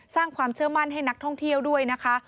สร้างความเชื่อมั่นให้นักท่องเที่ยวด้วยนะคะ